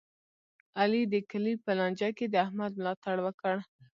علي د کلي په لانجه کې د احمد ملا تړ وکړ.